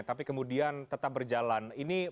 tapi kemudian tetap berjalan